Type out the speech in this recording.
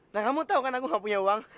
nah kamu tau kan aku gak punya uang